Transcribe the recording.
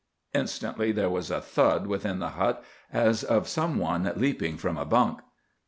Instantly there was a thud within the hut as of some one leaping from a bunk.